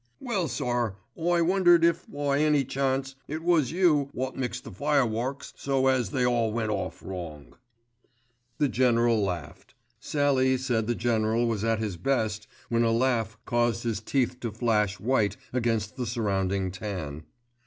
"Well, sir, I wondered if by any chance it was you wot mixed the fireworks so as they all went off wrong." The General laughed. Sallie said the General was at his best when a laugh caused his teeth to flash white against the surrounding tan.